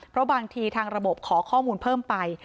เพราะบางทีทางระบบขอข้อมูลเพิ่มไป